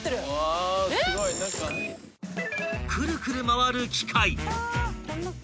［くるくる回る機械］